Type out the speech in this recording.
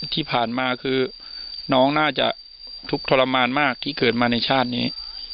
ที่ผ่านมาคือน้องน่าจะทุกข์ทรมานมากที่เกิดมาในชาตินี้